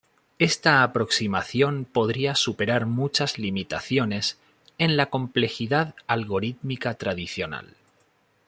Esta aproximación podría superar muchas limitaciones en la complejidad algorítmica tradicional.